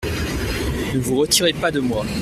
Ne vous retirez pas de moi.